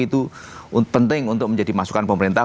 itu penting untuk menjadi masukan pemerintah